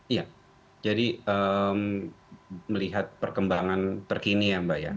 iya jadi melihat perkembangan terkini ya mbak ya